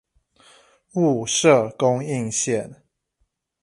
霧社供應線